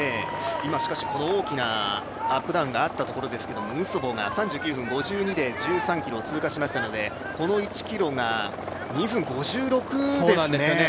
今、大きなアップダウンがあったところですけどムソボが３９分５２で１３ｋｍを通過しましたのでこの１ｋｍが２分５６ですね。